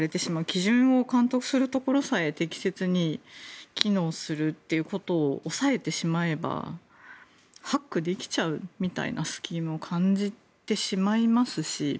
基準を監督するところさえ適切に機能するということを抑えてしまえばハックできちゃうみたいなスキームを感じてしまいますし。